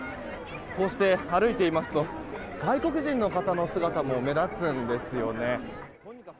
こうして歩いていますと外国人の方の姿も目立つんですよね。